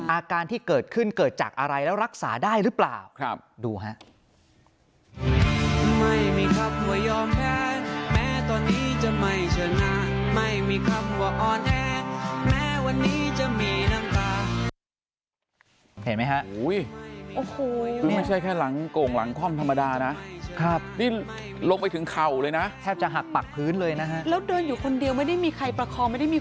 อาการที่เกิดขึ้นเกิดจากอะไรแล้วรักษาได้หรือเปล่าดูฮะ